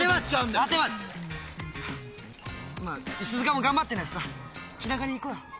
まあ石塚も頑張ってんだしさ気長にいこうよ。